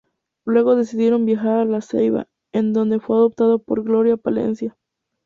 Luego decidieron viajar a La Ceiba, en donde fue adoptado por Gloria Palencia.